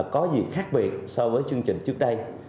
có gì khác biệt so với chương trình trước đây